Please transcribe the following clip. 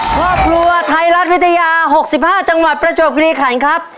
ครอบครัวไทยรัฐวิทยา๖๕จังหวัดประจวบกิริขันครับ